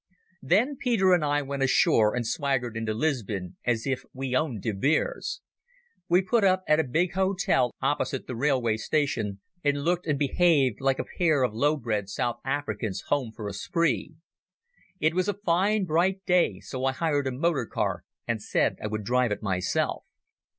Then Peter and I went ashore and swaggered into Lisbon as if we owned De Beers. We put up at the big hotel opposite the railway station, and looked and behaved like a pair of lowbred South Africans home for a spree. It was a fine bright day, so I hired a motor car and said I would drive it myself.